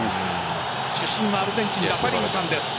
主審はアルゼンチンラファニーニさんです。